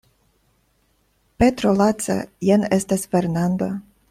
Petro laca, jen estas Fernando.